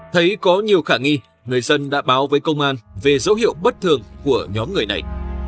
thấy có nhiều khả nghi người dân đã báo với công an về dấu hiệu bất thường của nhóm người này